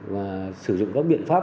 và sử dụng các biện pháp